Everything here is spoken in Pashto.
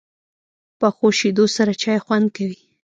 پخو شیدو سره چای خوند کوي